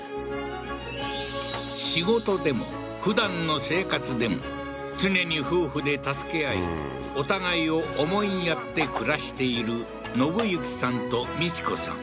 仕事でもふだんの生活でも常に夫婦で助け合いお互いを思いやって暮らしている宣之さんと美智子さん